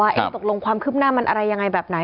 ตกลงความคืบหน้ามันอะไรยังไงแบบไหน